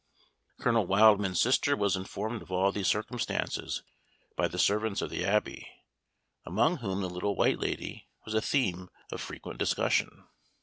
Colonel Wildman's sister was informed of all these circumstances by the servants of the Abbey, among whom the Little White Lady was a theme of frequent discussion.